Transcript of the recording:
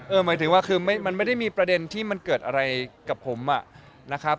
หมายถึงว่าคือมันไม่ได้มีประเด็นที่มันเกิดอะไรกับผมนะครับ